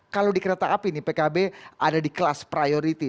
kalau di kereta api nih pkb ada di kelas priority